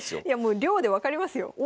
いやもう量で分かりますよ